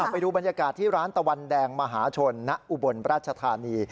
ไปดูบรรยากาศที่ร้านตะวันแดงมหาชนณอุบลราชธานี